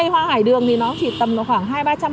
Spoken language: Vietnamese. hải đường trắng